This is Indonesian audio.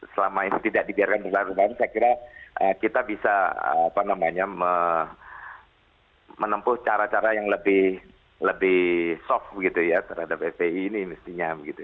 selama ini tidak dibiarkan dilakukan saya kira kita bisa menempuh cara cara yang lebih soft gitu ya terhadap fpi ini mestinya